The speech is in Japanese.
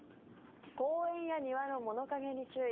公園や庭の物陰に注意！